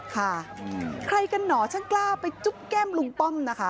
ใครกันหน่อช่างกล้าไปจุ๊บแก้มลุงป้อมนะคะ